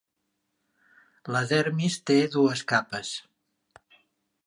La dermis té dues capes.